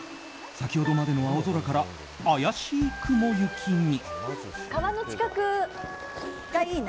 先ほどまでの青空から怪しい雲行きに。